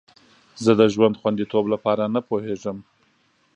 زه د ژوند خوندیتوب لپاره نه پوهیږم.